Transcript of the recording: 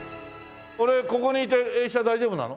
俺ここにいて映写大丈夫なの？